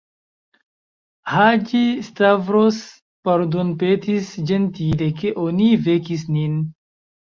Haĝi-Stavros pardonpetis ĝentile, ke oni vekis nin.